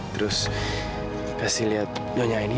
terus kasih lihat nyonya ini